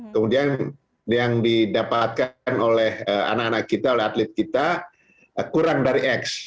kemudian yang didapatkan oleh anak anak kita oleh atlet kita kurang dari x